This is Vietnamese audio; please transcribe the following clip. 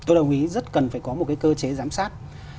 tôi đồng ý rất cần phải có một cái cơ chế giám sát